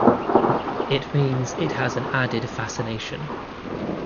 It means it has an added fascination.